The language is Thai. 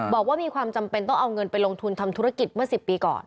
บอกว่ามีความจำเป็นต้องเอาเงินไปลงทุนทำธุรกิจเมื่อ๑๐ปีก่อน